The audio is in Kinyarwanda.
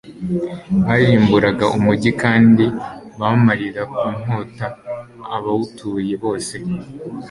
barimbura umugi kandi bamarira ku nkota abawutuye bose